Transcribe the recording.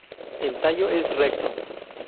El tallo es erecto.